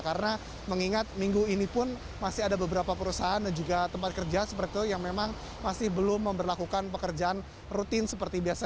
karena mengingat minggu ini pun masih ada beberapa perusahaan dan juga tempat kerja seperti itu yang memang masih belum memperlakukan pekerjaan rutin seperti biasa